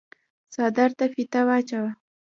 څادر ته فيته واچوه۔